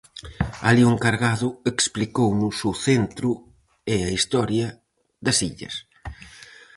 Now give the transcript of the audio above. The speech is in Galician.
Alí o encargado explicounos o centro e a historia das illas.